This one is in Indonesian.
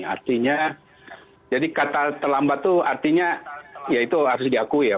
artinya jadi kata terlambat itu artinya ya itu harus diakui ya